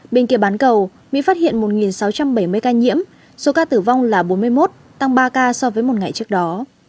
bên kia bán cầu mỹ phát hiện một sáu trăm bảy mươi ca nhiễm số ca tử vong là bốn mươi một tăng ba ca so với một ngày trước đó